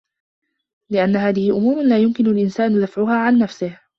لِأَنَّ هَذِهِ أُمُورٌ لَا يُمْكِنُ الْإِنْسَانُ دَفْعَهَا عَنْ نَفْسِهِ